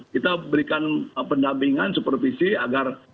kita berikan pendampingan supervisi agar